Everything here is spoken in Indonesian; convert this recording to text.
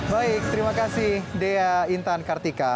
baik terima kasih dea intan kartika